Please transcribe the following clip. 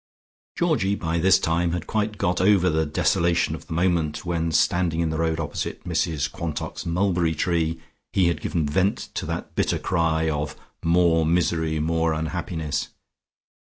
Georgie by this time had quite got over the desolation of the moment when standing in the road opposite Mrs Quantock's mulberry tree he had given vent to that bitter cry of "More misery: more unhappiness!"